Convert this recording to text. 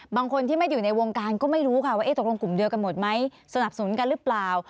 บางคนที่ไม่อยู่ในวงการก็ไม่รู้ค่ะว่าตกลงกลุ่มเดียวกันหมดไหมสนับสนุนกันหรือเปล่า